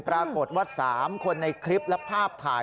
ปรากฏว่า๓คนในคลิปและภาพถ่าย